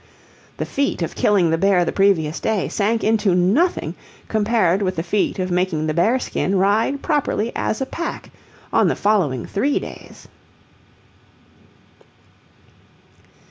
The feat of killing the bear the previous day sank into nothing compared with the feat of making the bearskin ride properly as a pack on the following three days.